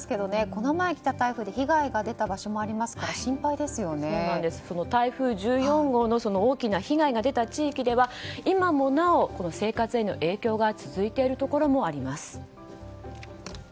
この前来た台風で被害が出た場所もあるので台風１４号の大きな被害が出た地域では今もなお生活への影響が続いているところもあります。